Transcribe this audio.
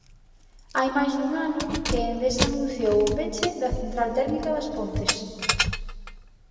Hai máis dun ano que Endesa anunciou o peche da central térmica das Pontes.